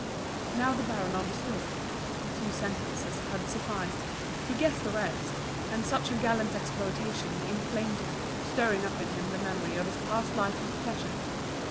Now the baron understood. A few sentences had sufficed, he guessed the rest, and such a gallant exploitation inflamed him, stirring up in him the memory of his past life of pleasure.